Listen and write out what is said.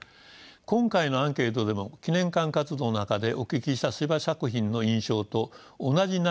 今回のアンケートでも記念館活動の中でお聞きした司馬作品の印象と同じ内容が多くありました。